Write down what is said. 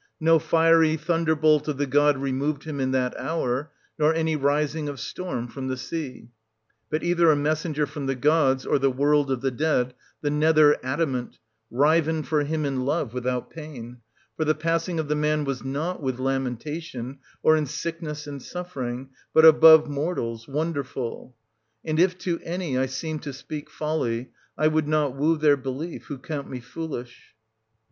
No fiery thunderbolt of the god removed him in that hour, nor any rising of storm 1660 from the sea; but either a messenger from the gods, or the world of the dead, the nether adamant, riven for him in love, without pain ; for the passing of the man was not with lamentation, or in sickness and suffering, but, above mortal's, wonderful. And if to any I seem to speak folly, I would not woo their belief, who count me foolish.